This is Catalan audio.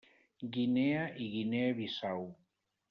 Guinea i Guinea Bissau.